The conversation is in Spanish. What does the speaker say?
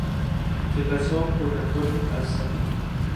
Se casó con Antonio Alzate.